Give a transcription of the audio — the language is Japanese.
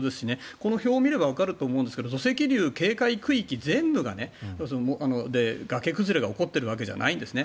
この表を見ればわかると思うんですが土石流警戒区域全部で崖崩れが起こっているわけじゃないんですね。